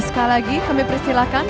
sekali lagi kami persilahkan